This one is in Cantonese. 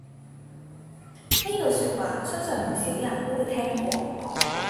呢句說話相信唔少人都會聽過講過